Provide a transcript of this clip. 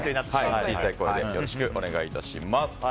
小さい声でよろしくお願いします。